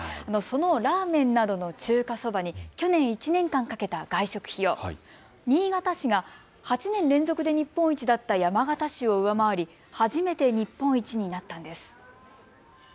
そのラーメンなどの中華そばに去年１年間かけた外食費用、新潟市が８年連続で日本一だった山形市を上回り初めて日本一になったんです。